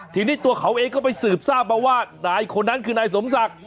ทีนี้ตัวเขาเองก็ไปสืบทราบมาว่านายคนนั้นคือนายสมศักดิ์